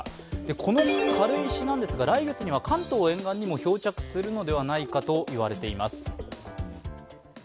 この軽石ですが、来月には関東沿岸にも漂着するのではないかと言われています。